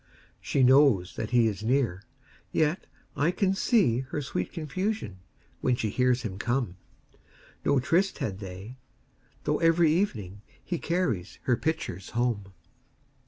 She knows that he is near, yet I can seeHer sweet confusion when she hears him come.No tryst had they, though every evening heCarries her pitchers home.